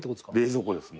冷蔵庫です